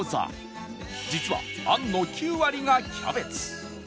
実はあんの９割がキャベツ